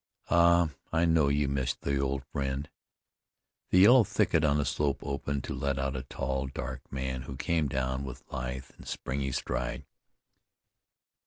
"Ah, I know, you miss the old friend." The yellow thicket on the slope opened to let out a tall, dark man who came down with lithe and springy stride.